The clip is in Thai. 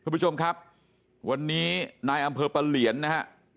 คุณผู้ชมครับวันนี้นายอำเภอปะเหลียนนะฮะ